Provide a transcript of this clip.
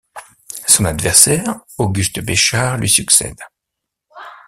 Son adversaire Auguste Béchard lui succède.